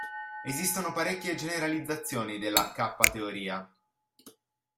Esistono parecchie generalizzazioni della K-teoria.